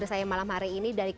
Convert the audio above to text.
tidak mengangkat isu baru